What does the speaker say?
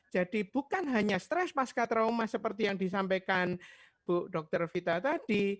jadi bukan hanya stres pasca trauma seperti yang disampaikan bu dr vita tadi